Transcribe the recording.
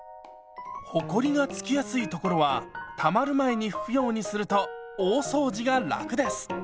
ほこりがつきやすい所はたまる前に拭くようにすると大掃除が楽です。